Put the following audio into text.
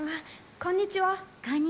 こんにちは。